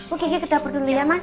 oh kiki kedapur dulu ya mas